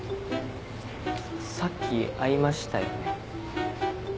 さっき会いましたよね？